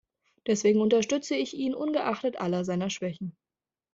Deswegen unterstütze ich ihn ungeachtet aller seiner Schwächen.